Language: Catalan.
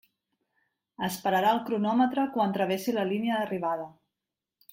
Es pararà el cronòmetre quan travessi la línia d'arribada.